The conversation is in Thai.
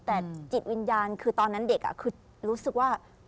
แต่จิตวิญญาณคือตอนนั้นเด็กคือรู้สึกว่า